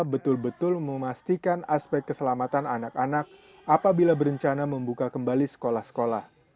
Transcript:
betul betul memastikan aspek keselamatan anak anak apabila berencana membuka kembali sekolah sekolah